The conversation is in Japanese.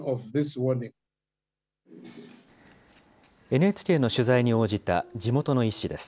ＮＨＫの取材に応じた地元の医師です。